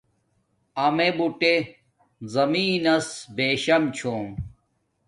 امیے بوٹے زمین نس بیشم چھوم